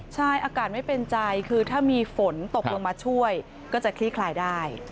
ใช่อากาศไม่เป็นใจคือถ้ามีฝนตกลงมาช่วยก็จะคลี่คลายได้